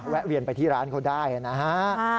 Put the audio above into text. แวะเวียนไปที่ร้านเขาได้นะฮะ